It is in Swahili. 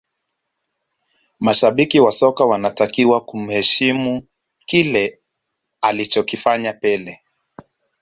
mashabiki wa soka wanatakiwa kumheshimu kile alichokifanya pele